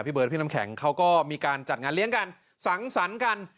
เบิร์ดพี่น้ำแข็งเขาก็มีการจัดงานเลี้ยงกันสังสรรค์กัน